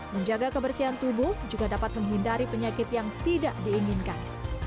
menjaga kebersihan tubuh juga dapat menghindari penyakit yang tidak diinginkan